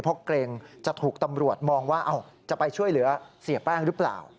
เพราะเกรงจะถูกตำรวจมองว่าจะไปช่วยเหลือเสียแป้งหรือเปล่า